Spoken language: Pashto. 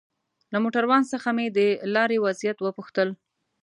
له موټروان څخه مې د لارې وضعيت وپوښتل.